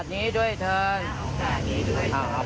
สัมปเวศีวิญญาณเล่ลอนทั้งหลาย